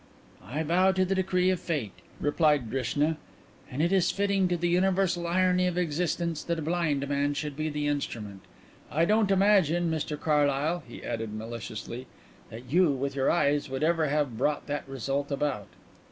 "I bow to the decree of fate," replied Drishna. "And it is fitting to the universal irony of existence that a blind man should be the instrument. I don't imagine, Mr Carlyle," he added maliciously, "that you, with your eyes, would ever have brought that result about."